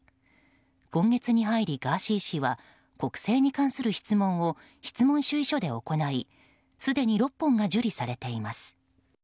今月に入りガーシー氏は国政に関する質問を質問主意書で行いすでに６本が受理されています。